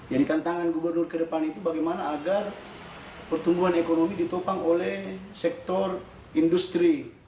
jadi tantangan gubernur ke depan itu bagaimana agar pertumbuhan ekonomi ditopang oleh sektor industri